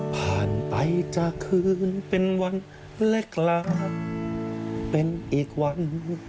ผ่านไปจากคืนเป็นวันและกลางเป็นอีกวัน